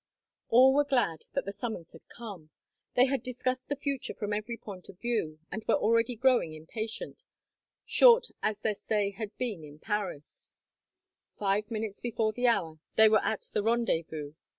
All were glad that the summons had come. They had discussed the future from every point of view, and were already growing impatient, short as their stay had been in Paris. Five minutes before the hour, they were at the rendezvous.